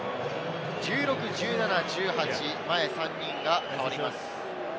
１６、１７、１８、前３人が代わります。